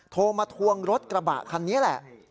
โทรมาทวงรถกระบะคันนี้แหละ